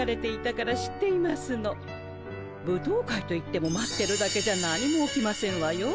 舞踏会といっても待ってるだけじゃ何も起きませんわよ。